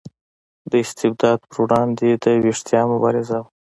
د استبداد پر وړاندې د ویښتیا مبارزه وه.